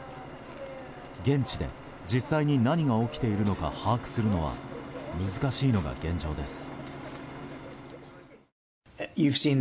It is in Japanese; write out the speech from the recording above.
現地で実際に何が起きているのか把握するのは難しいのが現状です。